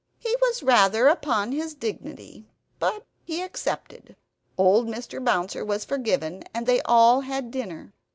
He was rather upon his dignity; but he accepted. Old Mr. Bouncer was forgiven, and they all had dinner.